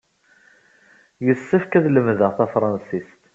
Yessefk ad lemdeɣ tafṛansist.